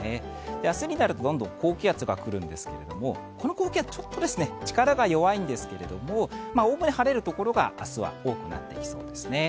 明日になるとどんどん高気圧が来るんですけれどもこの高気圧、ちょっと力が弱いんですけども、概ね、晴れる所が明日は多くなってきそうです。